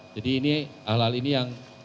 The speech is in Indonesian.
jadi hal hal ini yang